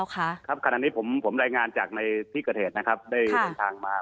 ขณะนี้ผมรายงานจากที่เกิดเหตุได้ลงทางมา